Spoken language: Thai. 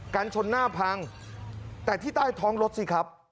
กันชนหน้าพังแต่ที่ใต้ท้องรถสิครับ